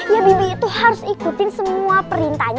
ya bibi itu harus ikutin semua perintahnya